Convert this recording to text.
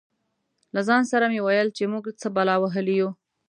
له ځان سره مې ویل چې موږ څه بلا وهلي یو.